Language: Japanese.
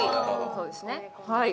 そうですねはい。